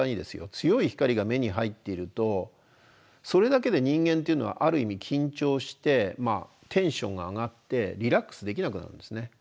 強い光が目に入っているとそれだけで人間っていうのはある意味緊張してテンションが上がってリラックスできなくなるんですね。